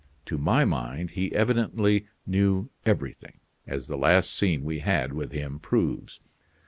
To my mind he evidently knew everything, as the last scene we had with him proves."